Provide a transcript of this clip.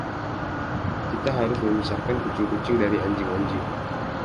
Kita harus memisahkan kucing-kucing dari anjing-anjing.